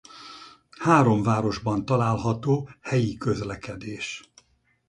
Három városban található helyi közlekedés.